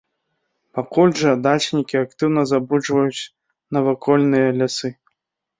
Пакуль жа дачнікі актыўна забруджваюць навакольныя лясы.